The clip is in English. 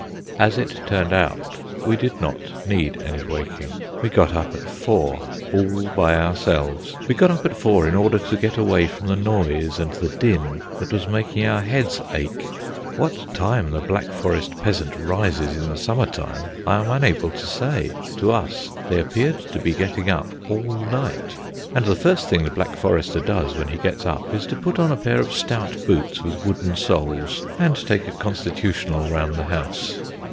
As it turned out, we did not need any waking. We got up at four, all by ourselves. We got up at four in order to get away from the noise and the din that was making our heads ache. What time the Black Forest peasant rises in the summer time I am unable to say; to us they appeared to be getting up all night. And the first thing the Black Forester does when he gets up is to put on a pair of stout boots with wooden soles, and take a constitutional round the house.